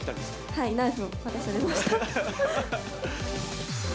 はい、ナイフを渡されました。